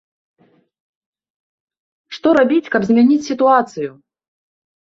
Што рабіць, каб змяніць сітуацыю?